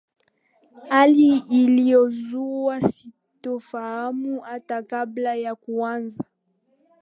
hali iliyozua sintofahamu hata kabla ya kuanza